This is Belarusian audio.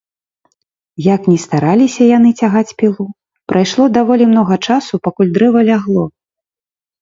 Як ні стараліся яны цягаць пілу, прайшло даволі многа часу, пакуль дрэва лягло.